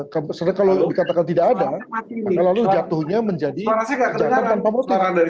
karena kalau dikatakan tidak ada lalu jatuhnya menjadi kejahatan tanpa motif